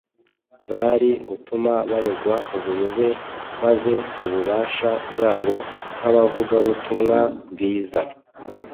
zari gutuma baregwa ubuyobe maze ububasha bwabo nk’abavugabutumwa bwiza